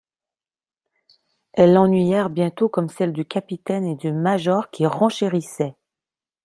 Elles l'ennuyèrent bientôt comme celles du capitaine et du major qui renchérissaient.